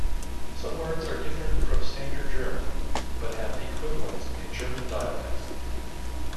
Some words are different from Standard German but have equivalents in German dialects.